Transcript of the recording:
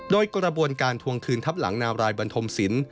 โดยกระบวนการทวงคืนทับหลังนาวรายบันทมศิลป